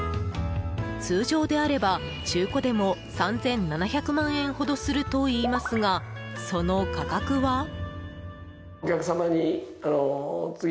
通常であれば、中古でも３７００万円ほどするといいますが、その価格は？